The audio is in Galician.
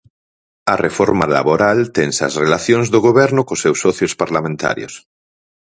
A reforma laboral tensa as relacións do Goberno cos seus socios parlamentarios.